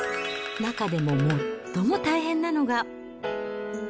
中でも最も大変なのが。